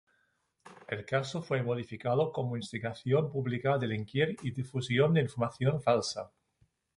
El caso fue modificado como "instigación pública a delinquir y difusión de información falsa".